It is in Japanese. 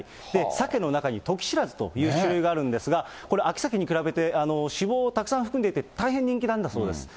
サケの中にトキシラズという種類があるんですが、これ、秋サケに比べて脂肪をたくさん含んでいて、大変人気なんだそうです。